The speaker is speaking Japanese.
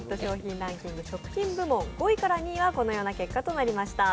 ランキング食品部門、５位から２位はこのような結果となりました。